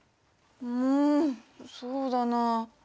うんそうだな。